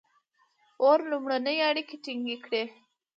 • اور لومړنۍ اړیکې ټینګې کړې.